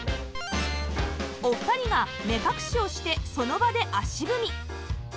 お二人が目隠しをしてその場で足踏み